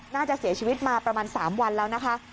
น่าจะเสียชีวิตมาประมาณ๓วันแล้วนะคะ